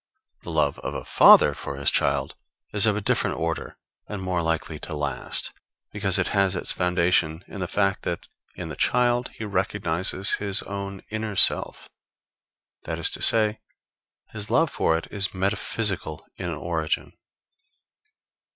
The love of a father for his child is of a different order, and more likely to last; because it has its foundation in the fact that in the child he recognizes his own inner self; that is to say, his love for it is metaphysical in its origin.